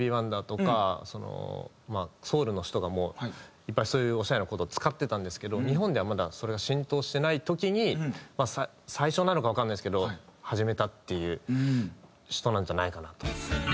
ソウルの人がもういっぱいそういうオシャレなコードを使ってたんですけど日本ではまだそれが浸透してない時に最初なのかわかんないですけど始めたっていう人なんじゃないかなと。